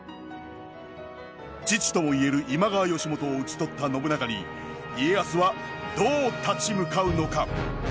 父ともいえる今川義元を討ち取った信長に家康はどう立ち向かうのか。